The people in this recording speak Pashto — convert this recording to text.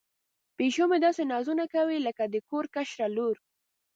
پیشو مې داسې نازونه کوي لکه د کور کشره لور.